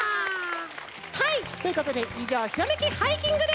はいということでいじょうひらめきハイキングでした。